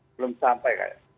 belum sampai kayaknya